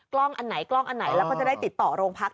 อันไหนกล้องอันไหนแล้วก็จะได้ติดต่อโรงพัก